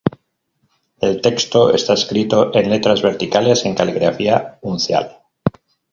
El texto está escrito en letras verticales, en caligrafía uncial.